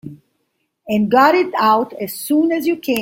And got it out as soon as you can.